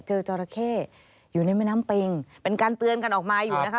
จราเข้อยู่ในแม่น้ำเป็งเป็นการเตือนกันออกมาอยู่นะคะ